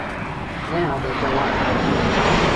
Now they go up.